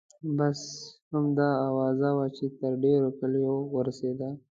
بس همدا اوازه وه چې تر ډېرو کلیو ورسیده.